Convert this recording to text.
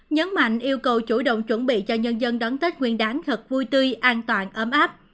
nhấn mạnh yêu cầu chủ động chuẩn bị cho nhân dân đón tết nguyên đáng thật vui tươi an toàn ấm áp